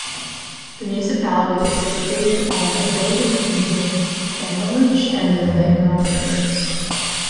The municipality is located on a hill between the Venoge and Veyron rivers.